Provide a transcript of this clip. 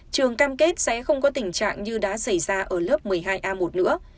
trường cam kết sẽ không có tình trạng như đã xảy ra ở lớp một mươi hai a một nữa